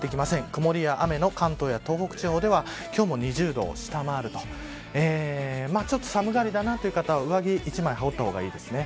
曇りや雨の関東や東北地方では今日も２０度を下回るとちょっと寒がりだなという方は上着を一枚羽織った方がいいですね。